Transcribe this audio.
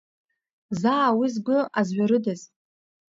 Заа уи згәы азҩарыдаз?